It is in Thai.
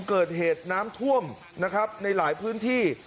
เกิดเหตุน้ำท่วมนะครับในหลายพื้นที่